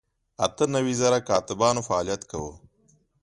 اته نوي زره کاتبانو فعالیت کاوه.